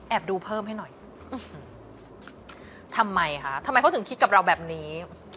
ดูเพิ่มให้หน่อยทำไมคะทำไมเขาถึงคิดกับเราแบบนี้